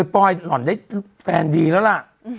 ปลอยหล่อนได้แฟนดีแล้วล่ะ